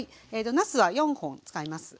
なすは４本使います。